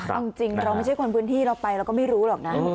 เอาจริงเราไม่ใช่คนพื้นที่เราไปเราก็ไม่รู้หรอกนะ